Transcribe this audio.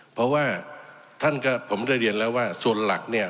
เพราะว่าท่านก็ผมได้เรียนแล้วว่าส่วนหลักเนี่ย